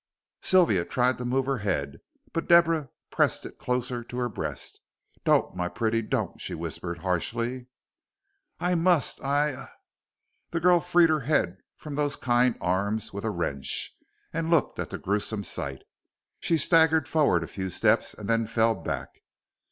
Sylvia tried to move her head, but Deborah pressed it closer to her breast. "Don't, my pretty don't," she whispered harshly. "I must I ah!" the girl freed her head from those kind arms with a wrench, and looked at the gruesome sight. She staggered forward a few steps, and then fell back.